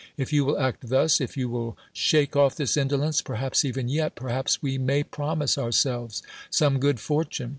If you will act thus, if you will shake off this indolence, perhaps, even yet, perhaps, we may promise ourselves some good fortune.